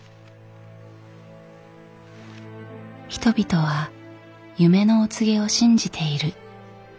人々は夢のお告げを信じている。